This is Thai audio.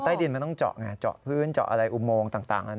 ดินมันต้องเจาะไงเจาะพื้นเจาะอะไรอุโมงต่าง